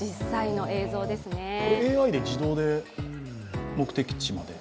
ＡＩで自動で目的地まで？